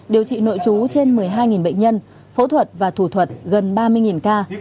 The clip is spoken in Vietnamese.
điều trị nội trú trên một mươi hai bệnh nhân phẫu thuật và thủ thuật gần ba mươi ca